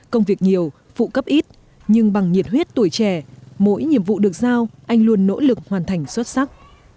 công việc nhiều phụ cấp ít nhưng bằng nhiệt huyết tuổi trẻ mỗi nhiệm vụ được giao anh luôn nỗ lực hoàn thành xuất sắc